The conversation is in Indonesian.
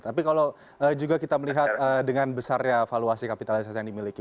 tapi kalau juga kita melihat dengan besarnya valuasi kapitalisasi yang dimiliki